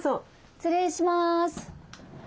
失礼します。